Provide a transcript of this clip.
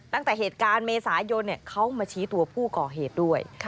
ตั้งแต่เหตุการณ์เมษายนเขามาชี้ตัวผู้ก่อเหตุด้วย